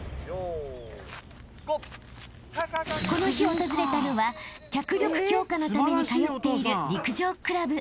［この日訪れたのは脚力強化のために通っている陸上クラブ］